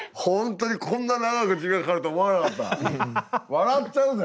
笑っちゃうぜ。